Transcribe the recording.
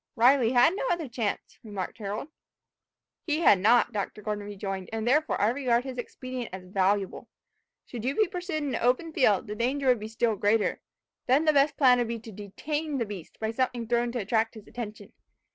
"Riley had no other chance," remarked Harold. "He had not," Dr. Gordon rejoined, "and therefore I regard his expedient as valuable. Should you be pursued in an open field, the danger would be still greater. Then the best plan would be to detain the beast by something thrown to attract his attention.